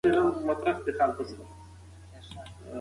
انا د خپل رب عبادت په اخلاص سره کاوه.